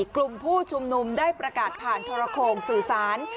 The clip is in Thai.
กลุ่มผู้ชุมนุมได้ประกาศผ่านโทรโครงสื่อสาร